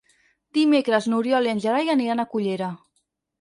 Dimecres n'Oriol i en Gerai aniran a Cullera.